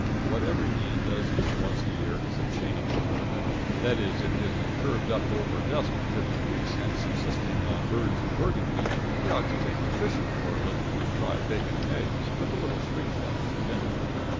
What every man does need once a year is a change of work that is, if he has been curved up over a desk for fifty weeks and subsisting on birds and burgundy, he ought to take to fishing for a living and try bacon and eggs, with a little spring water, for dinner.